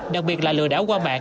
đặc biệt là lừa đảo qua mạng